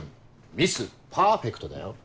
「ミス・パーフェクト」だよ？